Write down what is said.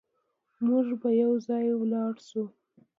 موږ به يوځای لاړ شو